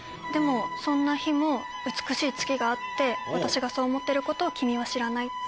でもそんな日も美しい月があって私がそう思ってることを君は知らない。